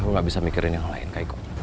aku gak bisa mikirin yang lain kaiko